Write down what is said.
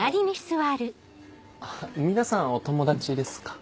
皆さんお友達ですか？